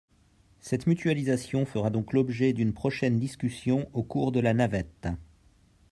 Cette mutualisation fera donc l’objet d’une prochaine discussion au cours de la navette.